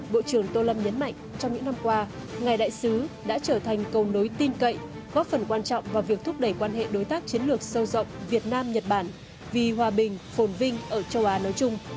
bộ trưởng tô lâm nhấn mạnh trong những năm qua ngài đại sứ đã trở thành cầu nối tin cậy góp phần quan trọng vào việc thúc đẩy quan hệ đối tác chiến lược sâu rộng việt nam nhật bản vì hòa bình phồn vinh ở châu á nói chung